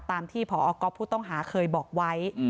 ตามที่พอก๊อฟผู้ต้องหาเคยบอกไว้